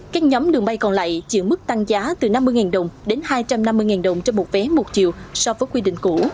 các nhóm đường bay còn lại chịu mức tăng giá từ năm mươi đồng đến hai trăm năm mươi đồng trên một vé một chiều so với quy định cũ